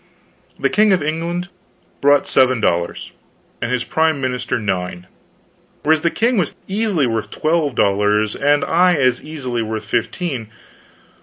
The King of England brought seven dollars, and his prime minister nine; whereas the king was easily worth twelve dollars and I as easily worth fifteen.